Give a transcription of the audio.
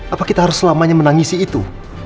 apa kita harus selamanya menangisi itu